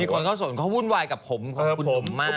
มีคนเขาส่งเขาวุ่นวายกับผมขอบคุณมากเลย